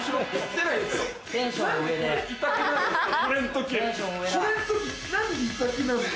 テンション上だ。